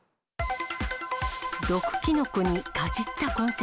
毒キノコにかじった痕跡。